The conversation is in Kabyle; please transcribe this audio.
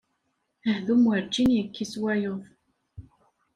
Ahdum werǧin yekkis wayeḍ.